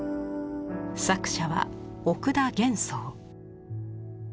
作者は奥田元宋。